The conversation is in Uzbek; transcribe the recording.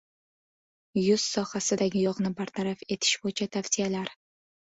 Yuz sohasidagi yog‘ni bartaraf etish bo‘yicha tavsiyalar